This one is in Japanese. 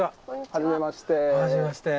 はじめまして。